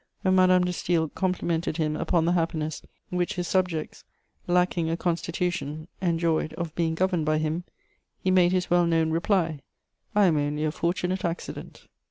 When Madame de Staël complimented him upon the happiness which his subjects, lacking a constitution, enjoyed of being governed by him, he made his well known reply: "I am only a 'fortunate accident.'"